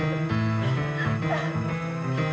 lepaskan apaan ini